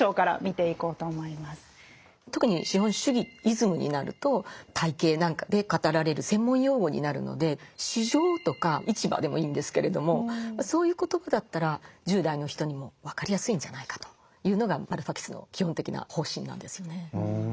特に資本主義イズムになると体系なんかで語られる専門用語になるので市場とか市場でもいいんですけれどもそういう言葉だったら１０代の人にも分かりやすいんじゃないかというのがバルファキスの基本的な方針なんですよね。